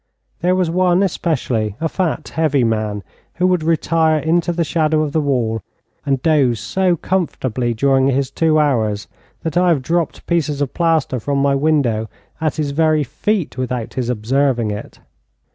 There was one especially, a fat, heavy man, who would retire into the shadow of the wall and doze so comfortably during his two hours, that I have dropped pieces of plaster from my window at his very feet, without his observing it.